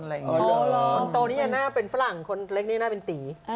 โตนี่น่าเป็นฝรั่งคนเล็กนี่น่าเป็นตี